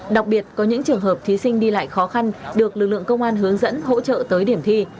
đặc biệt có những trường hợp thí sinh đi lại khó khăn được lực lượng công an hướng dẫn hỗ trợ tới điểm thi